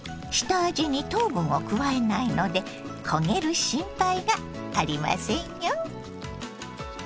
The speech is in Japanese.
下味に糖分を加えないので焦げる心配がありませんよ。